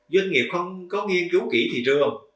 doanh nghiệp không có nghiên cứu kỹ thị trường